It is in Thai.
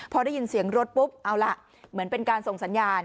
พอได้ยินเสียงรถปุ๊บเอาล่ะเหมือนเป็นการส่งสัญญาณ